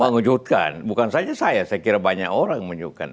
mengejutkan bukan saja saya saya kira banyak orang menunjukkan